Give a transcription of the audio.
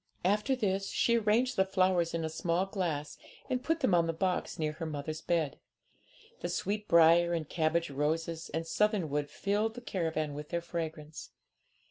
After this she arranged the flowers in a small glass, and put them on the box near her mother's bed. The sweet briar and cabbage roses and southernwood filled the caravan with their fragrance.